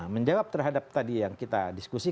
menjawab terhadap tadi yang kita diskusi